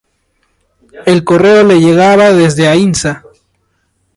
El correo le llegaba desde Aínsa.